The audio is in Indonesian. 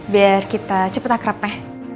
biar kita cepet akrab ya